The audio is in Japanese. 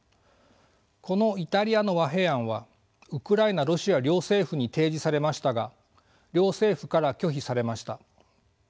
このイタリアの和平案はウクライナロシア両政府に提示されましたが両政府から拒否されました。